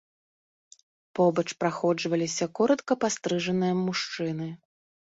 Побач праходжваліся коратка пастрыжаныя мужчыны.